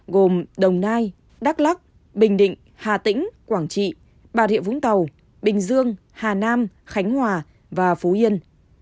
gồm đồng nai đắk lắc bình định hà tĩnh quảng trị bà rịa vũng tàu bình dương hà nam khánh hòa và phú yên